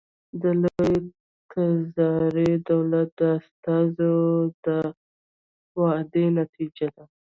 د لوی تزاري دولت د استازو د وعدو نتیجه ده.